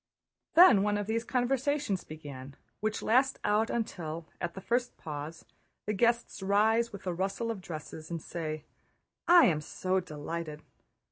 Then one of those conversations began which last out until, at the first pause, the guests rise with a rustle of dresses and say, "I am so delighted...